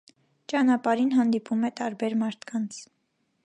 Ճանապարհին հանդիպում է տարբեր մարդկանց։